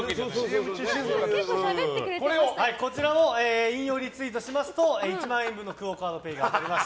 こちらを引用リツイートしますと１万円分のＱＵＯカードＰａｙが当たります。